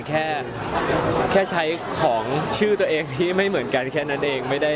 แค่ใช้ของชื่อตัวเองที่ไม่เหมือนกันแค่นั้นเอง